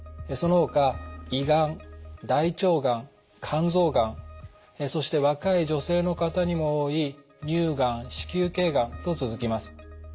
そのほか胃がん大腸がん肝臓がんそして若い女性の方にも多い乳がん子宮頸がんと続きます。